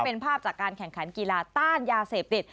เป็นภาพจากการแข่งขันกีฬาต้านยาเสพติด